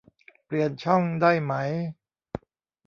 เปลี่ยนช่องได้ไหม